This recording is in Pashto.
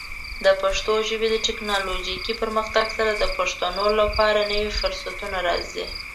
د پښتو ژبې د ټیکنالوجیکي پرمختګ سره، د پښتنو لپاره نوې فرصتونه راځي.